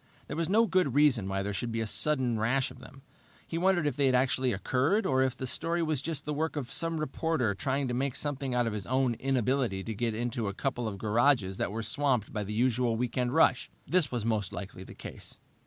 There was no good reason why there should be a sudden rash of them. He wondered if they had actually occurred, or if the story was just the work of some reporter trying to make something out of his own inability to get into a couple of garages that were swamped by the usual weekend rush. This was most likely the case.